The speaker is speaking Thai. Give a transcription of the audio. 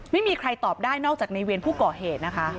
ไม่มีใครตอบได้นอกจากในเวียนผู้ก่อเหตุนะคะ